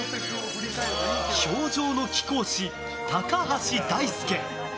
氷上の貴公子・高橋大輔。